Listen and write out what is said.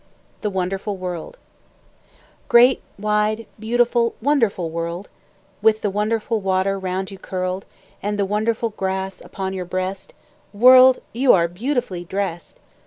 THE WONDERFUL WORLD Great, wide, beautiful, wonderful World, With the wonderful water round you curled, And the wonderful grass upon your breast, World, you are beautifully dressed!